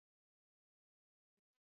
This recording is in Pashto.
هغه کولی شي چې ماشوم هغه پلار ته وسپاري.